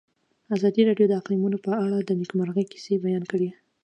ازادي راډیو د اقلیتونه په اړه د نېکمرغۍ کیسې بیان کړې.